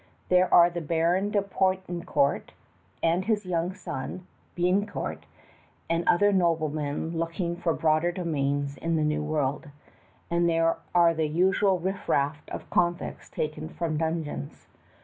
There are the Baron de Poutrincourt and his young son, Biencourt, and other noblemen looking for broader domains in the New World; and there are the usual riffraff of convicts taken from dungeons.